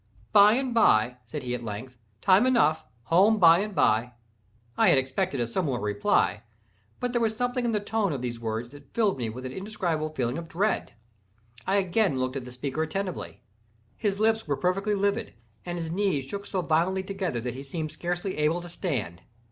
"By and by," said he at length—"time enough—home by and by." I had expected a similar reply, but there was something in the tone of these words which filled me with an indescribable feeling of dread. I again looked at the speaker attentively. His lips were perfectly livid, and his knees shook so violently together that he seemed scarcely able to stand.